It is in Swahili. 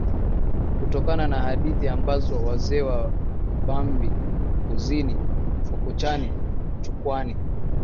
Kutokana na hadithi ambazo wazee wa Bambi, Uzini, Fukuchani, Chukwani.